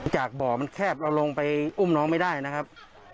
จากบ่อมันแคบเราลงไปอุ้มน้องไม่ได้นะครับ